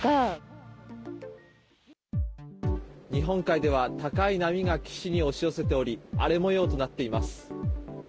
日本海では、高い波が岸に押し寄せており、荒れもようとなっています。